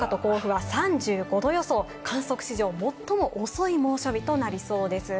そうなんです、静岡と甲府は３５度予想、観測史上最も遅い猛暑日となりそうです。